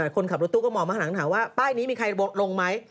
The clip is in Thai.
คนขับรถตู้ก็มองมาข้างหลังถามว่าป้ายนี้มีใครลงไหม